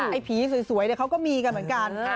ไอ้ผีสวยสวยเนี้ยเขาก็มีกันเหมือนกันเออ